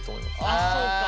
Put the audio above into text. あそうか。